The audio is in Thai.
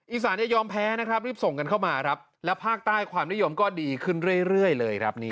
อีสานจะยอมแพ้นะครับรีบส่งกันเข้ามาครับแล้วภาคใต้ความนิยมก็ดีขึ้นเรื่อยเลยครับ